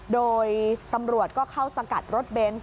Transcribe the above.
โดยตำรวจก็เข้าสกัดรถเบนส์